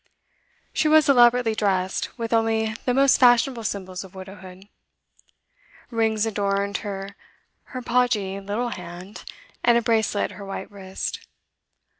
She was elaborately dressed, with only the most fashionable symbols of widowhood; rings adorned her podgy little hand, and a bracelet her white wrist.